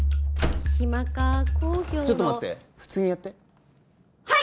ヒマカ工業のちょっと待って普通にやってはい！